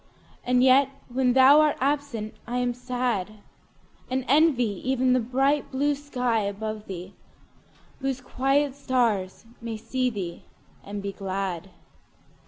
And yet when thou art absent I am sad; And envy even the bright blue sky above thee, Whose quiet stars may see thee and be glad.